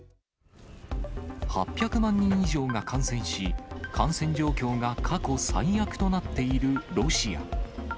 ８００万人以上が感染し、感染状況が過去最悪となっているロシア。